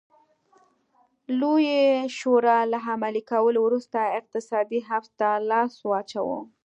لویې شورا له عملي کولو وروسته اقتصادي حبس ته لاس واچاوه.